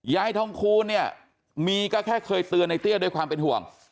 ยายทองคูณเนี่ยมีก็แค่เคยเตือนในเตี้ยด้วยความเป็นห่วง